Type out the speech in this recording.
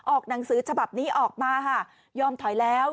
หนังสือฉบับนี้ออกมาค่ะยอมถอยแล้ว